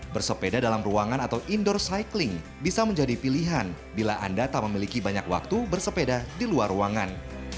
bersepeda dalam ruangan atau indoor cycling bisa menjadi pilihan bila anda tak memiliki banyak waktu bersepeda di luar ruangan